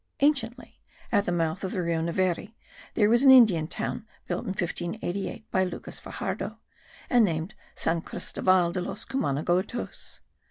Anciently, at the mouth of the Rio Neveri, there was an Indian town, built in 1588 by Lucas Faxardo, and named San Cristoval de los Cumanagotos.